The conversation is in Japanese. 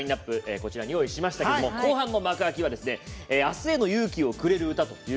こちらに用意しましたが後半の幕開きは「明日への勇気をくれる歌」。